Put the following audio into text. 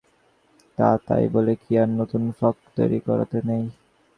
তা, তাই বলে কি আর নূতন ফ্রক তৈরি করাতে নেই।